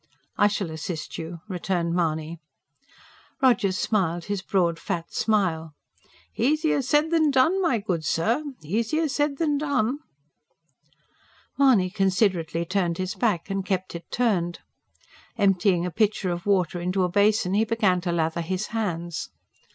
"I shall assist you," returned Mahony. Rogers smiled his broad, fat smile. "Easier said than done, my good sir! ... easier said than done." Mahony considerately turned his back; and kept it turned. Emptying a pitcher of water into a basin he began to lather his hands.